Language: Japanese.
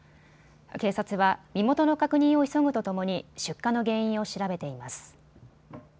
警察は身元の確認を急ぐとともに出火の原因を調べています。